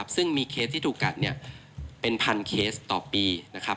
ซึ่งมีเคสที่ถูกกัดเป็นพันเคสต่อปีนะครับ